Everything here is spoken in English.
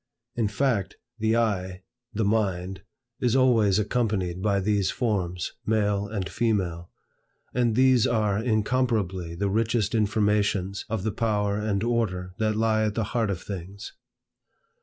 In fact, the eye, the mind, is always accompanied by these forms, male and female; and these are incomparably the richest informations of the power and order that lie at the heart of things.